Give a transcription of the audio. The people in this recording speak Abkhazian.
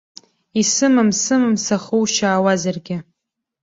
Исымам сымам, сахыушьаауазаргьы.